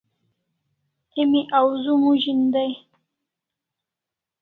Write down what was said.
Emi awzu mozin dai